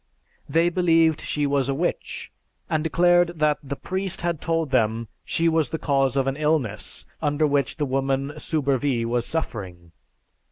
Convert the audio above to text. They believed she was a witch, and declared that the priest had told them she was the cause of an illness under which the woman Soubervie was suffering.